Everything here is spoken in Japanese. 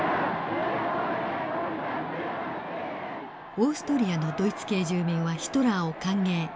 オーストリアのドイツ系住民はヒトラーを歓迎。